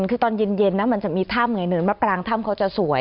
คือตอนเย็นนะมันจะมีถ้ำไงเนินมะปรางถ้ำเขาจะสวย